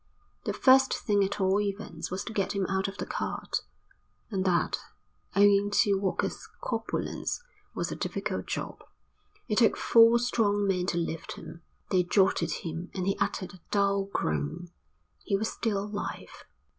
The first thing at all events was to get him out of the cart, and that, owing to Walker's corpulence, was a difficult job. It took four strong men to lift him. They jolted him and he uttered a dull groan. He was still alive.